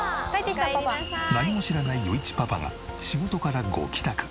何も知らない余一パパが仕事からご帰宅。